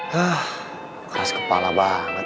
keras kepala banget